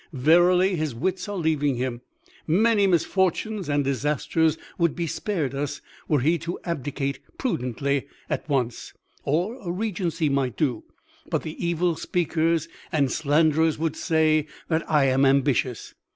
Verily, his wits are leaving him! Many misfortunes and disasters would be spared us were he to abdicate prudently at once. Or a regency might do. But the evil speakers and slanderers would say that I am ambitious.